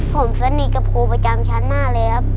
ผมสนิทกับครูประจำชั้นมากเลยครับ